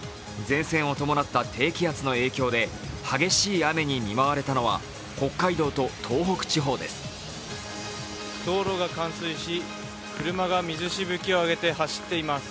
前線を伴った低気圧の影響で激しい雨に見舞われたのは北海道と東北地方です。